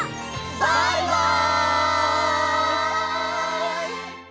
バイバイ！